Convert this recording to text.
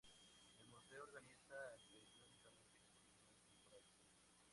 El museo organiza periódicamente exposiciones temporales.